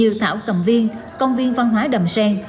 như thảo cầm viên công viên văn hóa đầm xen